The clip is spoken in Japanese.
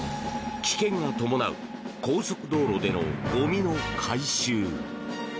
危険が伴う高速道路でのゴミの回収。